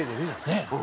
ねえ。